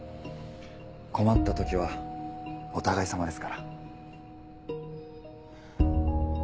困った時はお互いさまですから。